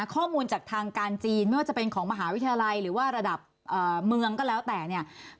ข้อมูลจากทางการจีนไม่ว่าจะเป็นของมหาวิทยาลัยหรือว่าระดับเมืองก็แล้วแต่เนี่ย